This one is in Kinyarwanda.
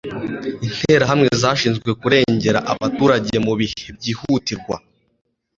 interahamwe zashinzwe kurengera abaturage mu bihe byihutirwa